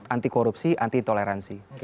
anti korupsi anti toleransi